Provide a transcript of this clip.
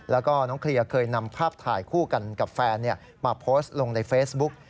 แล้วก็น้องเคลียร์เคยนำภาพถ่ายคู่กันกับแฟนมาโพสต์ลงในเฟซบุ๊ก